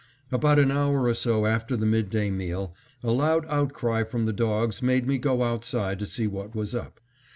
About an hour or so after the midday meal, a loud outcry from the dogs made me go outside to see what was up.